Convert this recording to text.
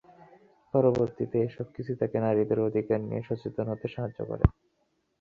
পরবর্তীতে এসব কিছুই তাকে নারীদের অধিকার নিয়ে সচেতন হতে সাহায্য করে।